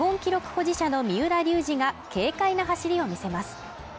保持者の三浦龍司が軽快な走りを見せます